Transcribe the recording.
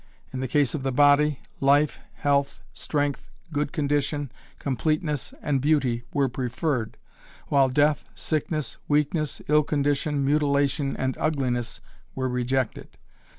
In the case of the body, life, health, strength, good condition, completeness, and beauty were preferred, while death, sickness, weakness, ill condition, mutilation and ugliness were rejected.